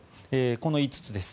この５つです。